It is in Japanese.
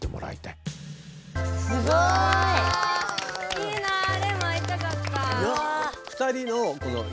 いいなレイも会いたかった！